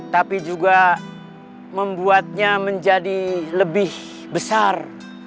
tapi juga membuatnya menjadi lebih besar